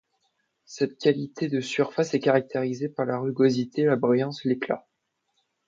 Cette qualité de surface est caractérisée par la rugosité, la brillance, l'éclat...